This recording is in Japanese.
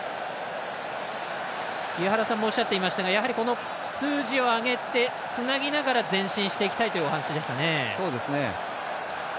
井原さんもおっしゃっていましたがこの数字を上げてつなぎながら前進していきたいというお話でしたね。